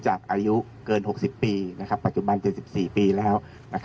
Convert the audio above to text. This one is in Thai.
ท่านเลยปฏิบัติให้สั่ง